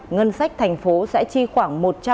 ngân sách thành phố sẽ chi khoảng